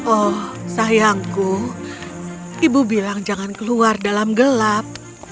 oh sayangku ibu bilang jangan keluar dalam gelap